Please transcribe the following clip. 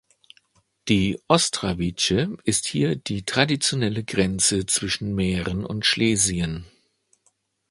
Die Ostravice ist hier die traditionelle Grenze zwischen Mähren und Schlesien.